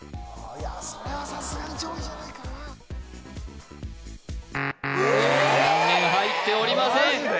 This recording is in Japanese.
それはさすがに上位じゃないかな残念入っておりませんマジで？